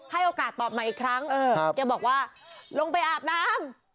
ให้โอกาสตอบใหม่อีกครั้งแกบอกว่าลงไปอาบน้ำ